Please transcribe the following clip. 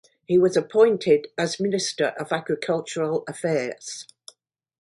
He was appointed as Minister of Agricultural Affairs.